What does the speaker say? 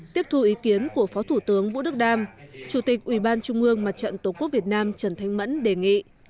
tiếp thu ý kiến của phó thủ tướng vũ đức đam chủ tịch ủy ban trung ương mặt trận tổ quốc việt nam trần thanh mẫn đề nghị